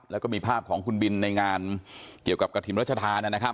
แล้วก็มีภาพของคุณบินในงานเกี่ยวกับกระถิ่นรัชธานะครับ